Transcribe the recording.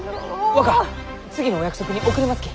若次のお約束に遅れますき！